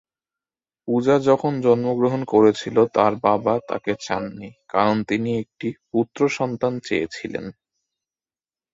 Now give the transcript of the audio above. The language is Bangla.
পূজা যখন জন্মগ্রহণ করেছিলেন, তাঁর বাবা তাঁকে চাননি; কারণ তিনি একটি পুত্র সন্তান চেয়েছিলেন।